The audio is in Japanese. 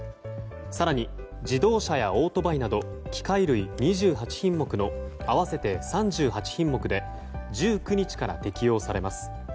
更に、自動車やオートバイなど機械類２８品目の合わせて３８品目で１９日から適用されます。